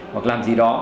hoặc làm gì đó